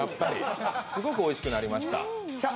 すごくおいしくなりました。